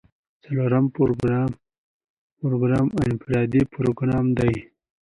څلورم پروګرام انفرادي پروګرام دی.